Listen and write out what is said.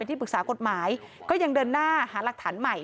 ที่ปรึกษากฎหมายก็ยังเดินหน้าหาหลักฐานใหม่